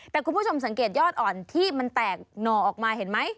แต่คุณผู้ชมสังเกตยอดอ่อนที่มันแตกหน่อออกมาเห็นไหม